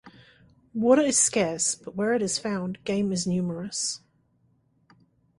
Water is scarce, but where it is found, game is numerous.